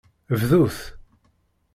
Bdut.